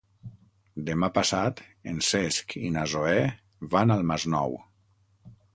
Demà passat en Cesc i na Zoè van al Masnou.